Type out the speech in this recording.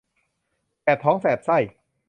แสบท้องแสบไส้